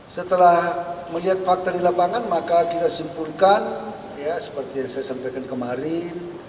setelah melihat fakta di lapangan maka kita simpulkan seperti yang saya sampaikan kemarin